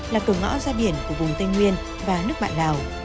là cổ ngõ ra biển của vùng tây nguyên và nước mạng lào